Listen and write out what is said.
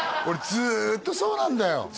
俺ずっとそうなんだよ